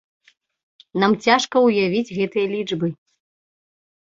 Нам цяжка ўявіць гэтыя лічбы.